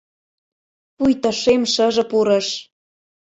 Пуйто шем шыже пурыш